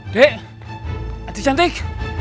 dek adik cantik